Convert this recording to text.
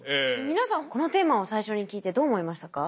皆さんこのテーマを最初に聞いてどう思いましたか？